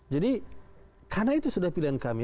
jadi karena itu sudah pilihan kami